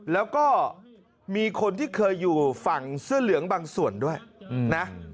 แล้วก็มีคนที่เคยอยู่ฝั่งเสื้อเหลืองบางส่วนด้วยนะ